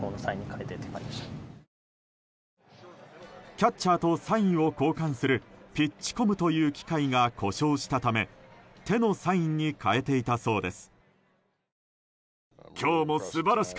キャッチャーとサインを交換するピッチコムという機械が故障したため手のサインに変えていたそうです。